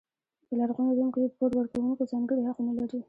په لرغوني روم کې پور ورکوونکو ځانګړي حقونه لرل.